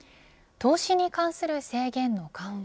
投資に関する制限の緩和